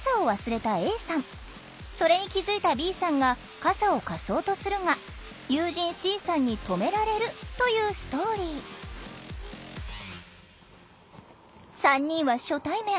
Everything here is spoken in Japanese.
それに気付いたＢさんが傘を貸そうとするが友人Ｃさんに止められるというストーリー３人は初対面。